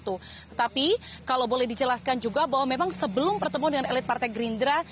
tetapi kalau boleh dijelaskan juga bahwa memang sebelum bertemu dengan elit partai gerindra